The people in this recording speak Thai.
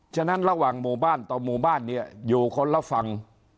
ฉะนั้นระหว่างหมู่บ้านต่อหมู่บ้านเนี่ยอยู่คนละฝั่ง